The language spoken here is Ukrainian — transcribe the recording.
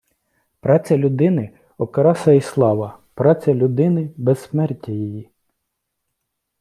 Праця людини – окраса і слава, праця людини – безсмертя її